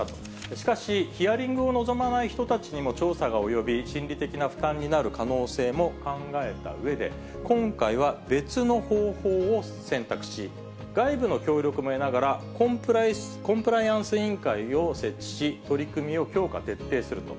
しかし、ヒアリングを望まない人たちにも調査がおよび、心理的な負担になる可能性も考えたうえで、今回は別の方法を選択し、外部の協力も得ながら、コンプライアンス委員会を設置し、取り組みを強化・徹底すると。